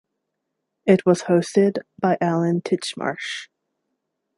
It was hosted by Alan Titchmarsh.